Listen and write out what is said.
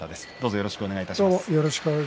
よろしくお願いします。